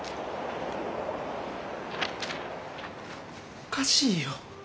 おかしいよ。